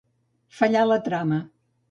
Fallar la trama.